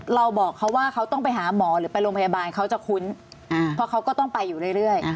เราบอกเขาว่าเขาต้องไปหาหมอหรือไปโรงพยาบาลเขาจะคุ้นเพราะเขาก็ต้องไปอยู่เรื่อย